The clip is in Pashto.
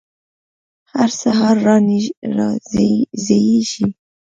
هر سهار را زیږي